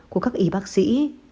của các y bác sĩ